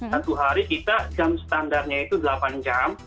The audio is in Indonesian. satu hari kita jam standarnya itu delapan jam